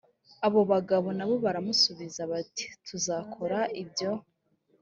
abo bagabo na bo baramusubiza bati tuzakora ibyo